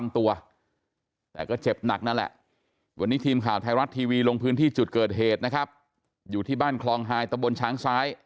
แต่ก็เจ็บหนักนั่นแหละวันนี้ทีมข่าวไทยรัฐทีวีลงพื้นที่จุดเกิดเหตุนะครับอยู่ที่บ้านคลองฮายตะบนช้างซ้าย